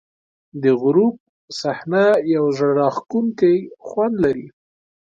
د غروب صحنه یو زړه راښکونکی خوند لري.